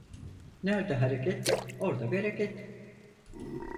Nerde hareket, orda bereket.